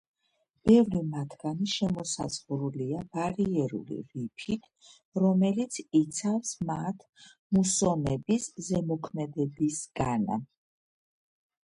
ბევრი მათგანი შემოსაზღვრულია ბარიერული რიფით, რომელიც იცავს მათ მუსონების ზემოქმედებისგან.